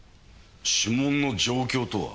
指紋の状況とは？